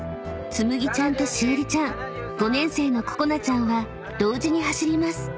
［つむぎちゃんとしおりちゃん５年生のここなちゃんは同時に走ります］